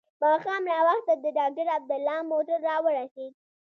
ماښام ناوخته د ډاکټر عبدالله موټر راورسېد.